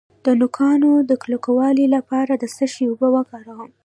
د نوکانو د کلکوالي لپاره د څه شي اوبه وکاروم؟